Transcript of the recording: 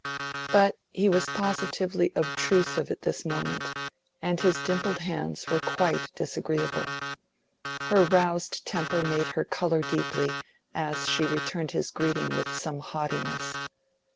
But he was positively obtrusive at this moment, and his dimpled hands were quite disagreeable. Her roused temper made her color deeply, as she returned his greeting with some haughtiness.